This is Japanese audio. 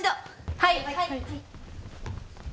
はい！